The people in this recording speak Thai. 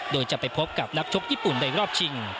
โดยจะไปพบกับนักชกญี่ปุ่นในรอบชิง